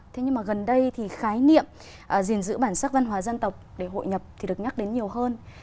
thế nhưng gần đây khái niệm giền giữ bản sắc văn hóa dân tộc để hội nhập được nhắc đến nhiều hơn